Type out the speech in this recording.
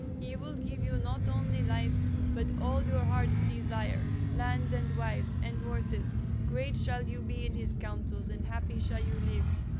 He will give you not only life, but all your heart's desire—lands and wives and horses; great shall you be in his councils and happy shall you live.